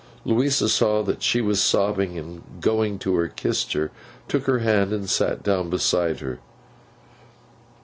Louisa saw that she was sobbing; and going to her, kissed her, took her hand, and sat down beside her.